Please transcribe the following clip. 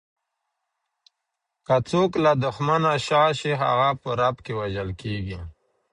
که څوک له دښمنه شا شي، هغه په رپ کې وژل کیږي.